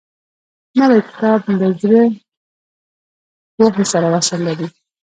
نوی کتاب له زړې پوهې سره وصل لري